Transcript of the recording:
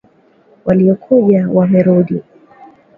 Waliokuja wamerudi.